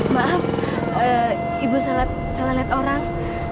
maaf ibu salah lihat orang